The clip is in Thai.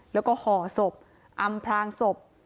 แล้วก็ห่อศพอำพลางศพ